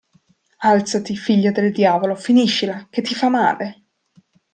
Alzati, figlia del diavolo, finiscila, che ti fa male!